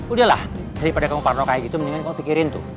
udahlah daripada kamu parno kayak gitu mendingan kamu pikirin tuh